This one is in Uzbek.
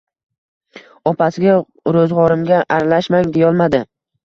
Opasiga roʻzgʻorimga aralashmang deyolmadi